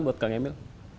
buat kang emil